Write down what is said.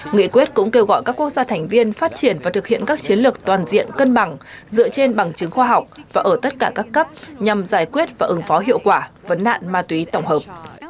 nghị quyết cũng kêu gọi các quốc gia thành viên phát triển và thực hiện các chiến lược toàn diện cân bằng dựa trên bằng chứng khoa học và ở tất cả các cấp nhằm giải quyết và ứng phó hiệu quả vấn nạn ma túy tổng hợp